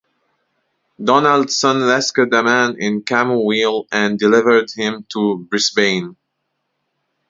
Donaldson rescued a man in Camooweal and delivered him to Brisbane.